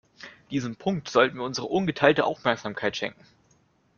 Diesem Punkt sollten wir unsere ungeteilte Aufmerksamkeit schenken.